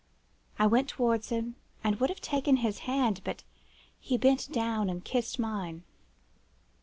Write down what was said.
I went towards him, and would have taken his hand, but he bent down and kissed mine.